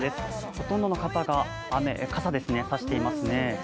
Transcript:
ほとんどの方が傘を差していますね。